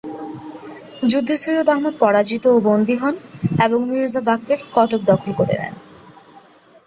যুদ্ধে সৈয়দ আহমদ পরাজিত ও বন্দি হন এবং মির্জা বাকের কটক দখল করে নেন।